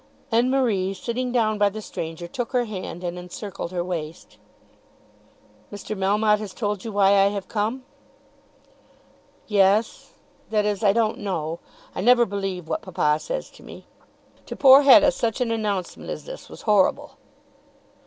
and Marie, sitting down by the stranger, took her hand and encircled her waist. "Mr. Melmotte has told you why I have come." "Yes; that is, I don't know. I never believe what papa says to me." To poor Hetta such an announcement as this was horrible.